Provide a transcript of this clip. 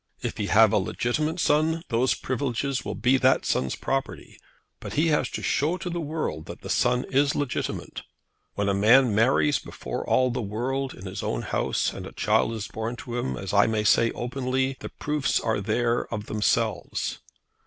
If he have a legitimate son, those privileges will be that son's property, but he has to show to the world that that son is legitimate. When a man marries before all the world, in his own house, and a child is born to him as I may say openly, the proofs are there of themselves.